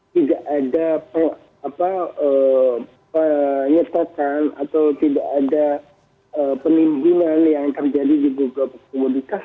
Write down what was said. tidak ada penyetokan atau tidak ada penimbunan yang terjadi di beberapa komoditas